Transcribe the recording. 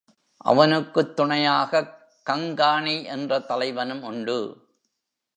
அவனுக்குத் துணையாகக் கங்காணி என்ற தலைவனும் உண்டு.